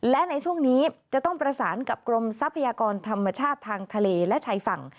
และในช่วงนี้จะต้องประสานกับกรมทรัพยากรธรรมชาติทางทะเลและชายฝั่ง